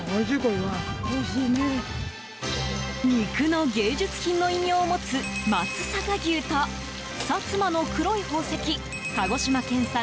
肉の芸術品の異名を持つ松阪牛と薩摩の黒い宝石鹿児島県産